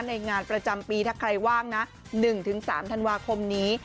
งานประจำปีถ้าใครว่างนะ๑๓ธันวาคมนี้